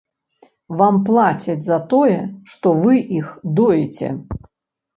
Вам плацяць за тое, што вы іх доіце.